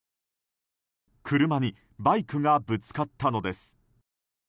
車にバイクがぶつかったのです。